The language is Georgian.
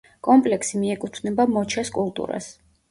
კომპლექსი მიეკუთვნება მოჩეს კულტურას.